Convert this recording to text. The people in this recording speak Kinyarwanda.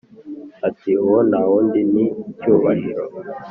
ati"uwo ntawundi ni cyubahiro